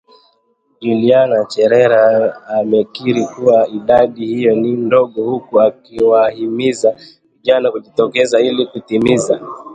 Juliana Cherera amekiri kuwa idadi hiyo ni ndogo huku akiwahimiza vijana kujitokeza ili kutimiza